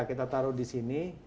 kita taruh di sini